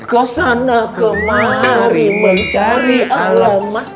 kau sana kemari mencari allah